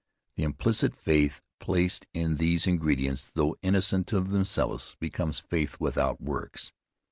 The implicit faith placed in these ingredients, though innocent of themselves, becomes 'faith without works.'